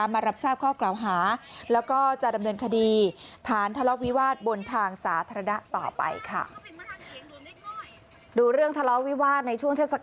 มารับทราบข้อกล่าวหาแล้วก็จะดำเนินคดีฐานทะเลาะวิวาสบนทางสาธารณะต่อไปค่ะ